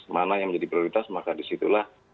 mana yang menjadi prioritas maka disitulah